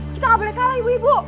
kita gak boleh kalah ibu ibu